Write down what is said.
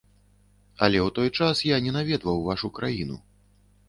Але ў той час я не наведваў вашу краіну.